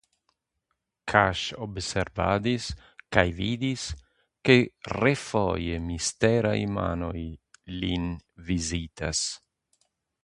Kaŝobservadis kaj vidis, ke refoje misteraj manoj lin vizitas.